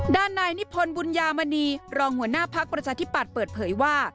ด้านนายนิพนธ์บุญญามณีรองหัวหน้าพักประชาธิปัตย์เปิดเผยว่า